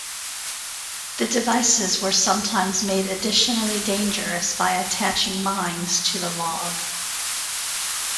The devices were sometimes made additionally dangerous by attaching mines to the log.